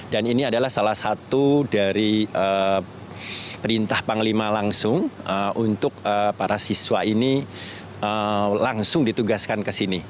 dan ini adalah salah satu dari perintah panglima langsung untuk para siswa ini langsung ditugaskan ke sini